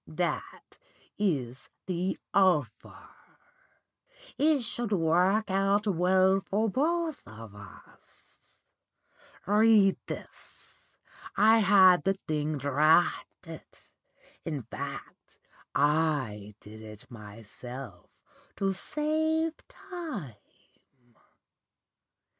That is the offer. It should work out well for both of us. Read this. I had the thing drafted; in fact, I did it myself to save time.